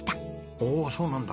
おおそうなんだ。